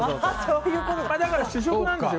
だから主食なんですよ